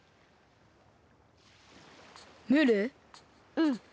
うん。